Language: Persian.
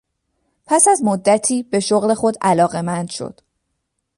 پس از مدتی به شغل خود علاقمند شد.